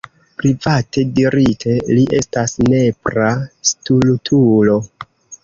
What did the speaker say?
Private dirite, li estas nepra stultulo.